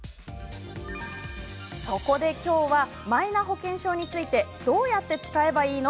そこで今日はマイナ保険証についてどうやって使えばいいの？